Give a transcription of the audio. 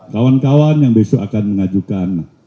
kawan kawan yang besok akan mengajukan